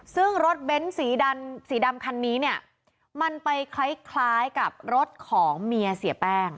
ซึ่งรถเบ้นสีดำสีดำคันนี้เนี่ยมันไปคล้ายกับรถของเมียเสียแป้ง